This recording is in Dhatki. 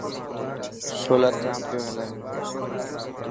سولر جام پيو هلي.